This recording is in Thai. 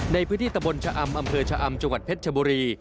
ในพื้นที่ตะบนชะอำอำเภอชะอำจังหวัดเพชรชบุรี